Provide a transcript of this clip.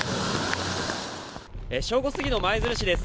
正午過ぎの舞鶴市です。